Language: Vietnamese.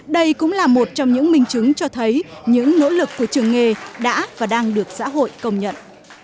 đây cũng là một trong những minh chứng cho thấy những nỗ lực của trường nghề đã và đang được xã hội công nhận